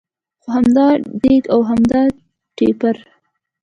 خو همدا دېګ او همدا ټېپر.